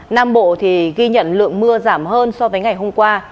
nam bộ thì ghi nhận lượng mưa giảm hơn so với ngày hôm qua